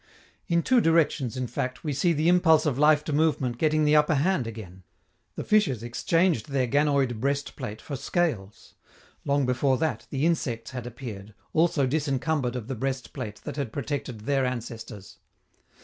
In two directions, in fact, we see the impulse of life to movement getting the upper hand again. The fishes exchanged their ganoid breast plate for scales. Long before that, the insects had appeared, also disencumbered of the breast plate that had protected their ancestors.